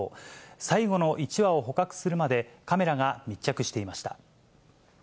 最後の１羽を捕獲するまで、カメラが密着していました。